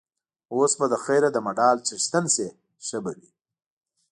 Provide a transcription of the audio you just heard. اوس به له خیره د مډال څښتن شې، ښه به وي.